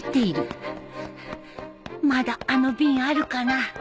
まだあの瓶あるかな